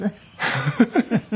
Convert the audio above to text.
ハハハハ。